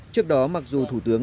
trước đó mặc dù thủ tướng